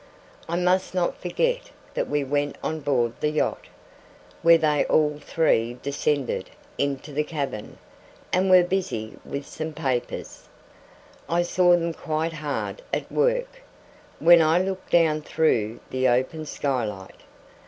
I must not forget that we went on board the yacht, where they all three descended into the cabin, and were busy with some papers. I saw them quite hard at work, when I looked down through the open skylight.